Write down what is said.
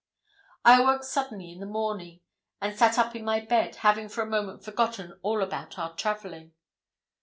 I awoke suddenly in the morning, and sat up in my bed, having for a moment forgotten all about our travelling.